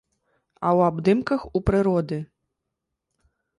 А ў абдымках у прыроды.